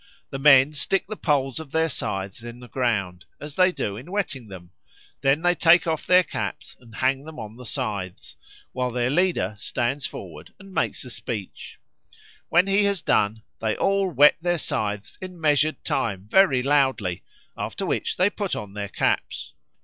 The men stick the poles of their scythes in the ground, as they do in whetting them; then they take off their caps and hang them on the scythes, while their leader stands forward and makes a speech. When he has done, they all whet their scythes in measured time very loudly, after which they put on their caps.